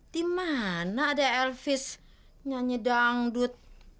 dimana ada elfries nyanyi dangdut